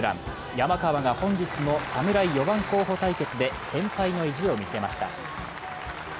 山川が本日の侍４番候補対決で先輩の意地を見せました。